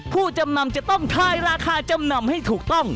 ผู้จำนำจะต้องทายราคาจำนำให้ถูกต้อง